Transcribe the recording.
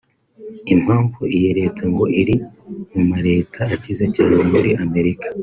Impamvu iyi Leta ngo iri mu ma leta akize cyane muri Amerika